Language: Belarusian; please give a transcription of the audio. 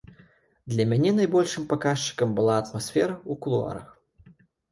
Для мяне найбольшым паказчыкам была атмасфера ў кулуарах.